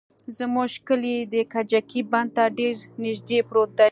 زموږ کلى د کجکي بند ته ډېر نژدې پروت دى.